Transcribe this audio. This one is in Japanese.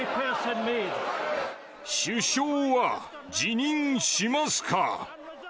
首相は辞任しますか？